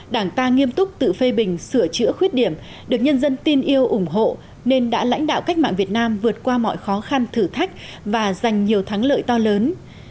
đảng ta nghiêm túc tự phê bình sửa chữa khuyết điểm được nhân dân tin yêu ủng hộ nên đã lãnh đạo cách mạng việt nam vượt qua mọi khó khăn thử thách và giành nhiều thắng lợi to lớn